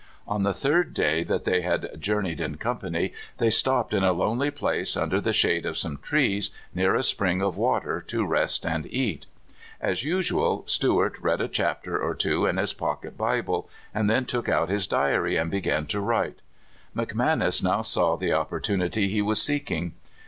On the third day that they had jour neyed in company they stopped in a lonely place under the shade of some trees, near a spring of water, to rest and eat. As usual, Stewart read a chapter or two in his pocket Bible, and then took out his diary and began to write. McManus now saw the opportunity he was seeking.